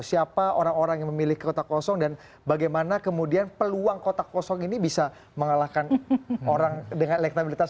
siapa orang orang yang memilih kota kosong dan bagaimana kemudian peluang kota kosong ini bisa mengalahkan orang dengan elektabilitas